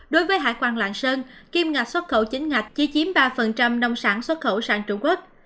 đối với hải quan lạng sơn kim ngạch xuất khẩu chính ngạch chỉ chiếm ba nông sản xuất khẩu sang trung quốc